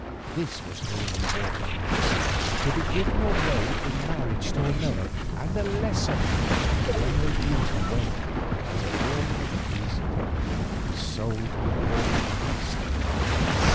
This was her reward at last: to be given away in marriage to another and a lesser man when her beauty waned, as a worn out beast is sold to a poorer master.